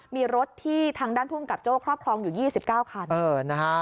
มีรถที่ทางด้านภูมิกับโจ้ครอบครองอยู่ยี่สิบเก้าคันเออนะฮะ